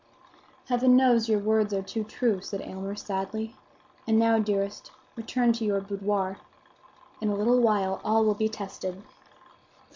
"Heaven knows your words are too true," said Aylmer, sadly. "And now, dearest, return to your boudoir. In a little while all will be tested."